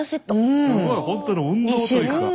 すごいほんとに運動というか。